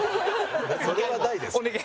それはないですよ。